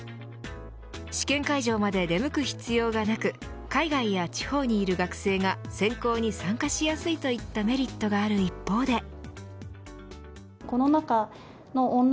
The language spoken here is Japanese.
試験会場まで出向く必要がなく海外や地方にいる学生が選考に参加しやすいといったメリットがある一方で。